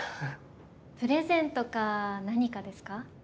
プレゼントか何かですか？